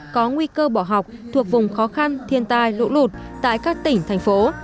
có nguy cơ bỏ học thuộc vùng khó khăn thiên tai lũ lụt tại các tỉnh thành phố